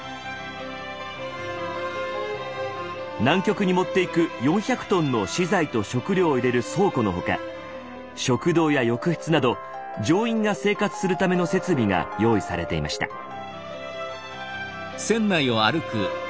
南極に持っていく４００ｔの資材と食料を入れる倉庫の他食堂や浴室など乗員が生活するための設備が用意されていました。